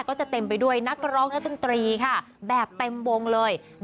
เต็มไปด้วยนักร้องนักดนตรีค่ะแบบเต็มวงเลย